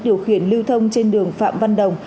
điều khiển lưu thông trên đường phạm văn đồng